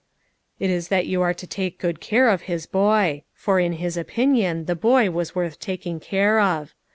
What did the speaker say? " It was that you were to take good care of his boy ; for in his opinion the boy was worth taking care of.